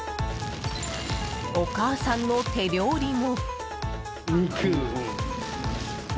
お母さんの手料理も。